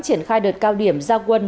triển khai đợt cao điểm giao quân